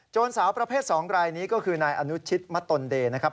โจรสาวประเภทสองรายนี้ก็คือนายอนุชิตมัตตนเดนะครับ